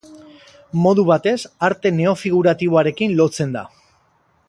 Modu batez arte neofiguratiboarekin lotzen da.